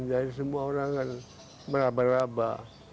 jadi semua orang kan meraba raba